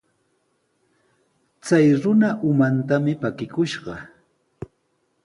Chay runa umantami pakikushqa.